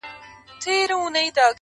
دوه غوايي يې ورته وچیچل په لار کي-